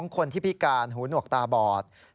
คนที่พิการหูหนวกตาบอด